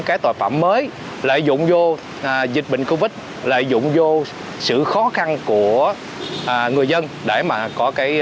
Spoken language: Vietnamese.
các tội phạm mới lợi dụng vô dịch bệnh covid lợi dụng vô sự khó khăn của người dân để mà có cái